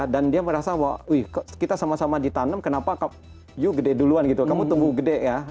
dan dia merasa bahwa kita sama sama ditanam kenapa kamu gede duluan kamu tunggu gede ya